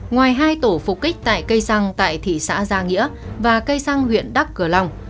ngoài hai tổ phục kích tại cây xăng tại thị xã gia nghĩa và cây xăng huyện đắk cửa long